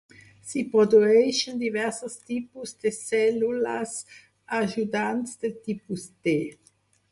S'hi produeixen diversos tipus de cèl·lules ajudants de tipus T.